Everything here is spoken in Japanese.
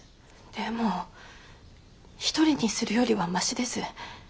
でも一人にするよりはマシです。